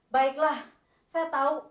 baiklah saya tahu